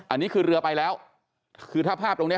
อันนี้คือเรือไปแล้วคือถ้าภาพตรงเนี้ย